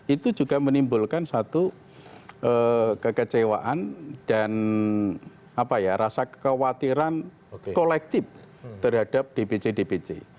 itu juga menimbulkan satu kekecewaan dan rasa kekhawatiran kolektif terhadap dpc dpc